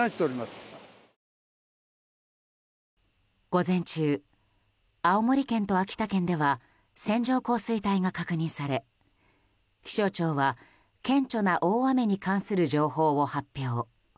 午前中、青森県と秋田県では線状降水帯が確認され気象庁は顕著な大雨に関する情報を発表。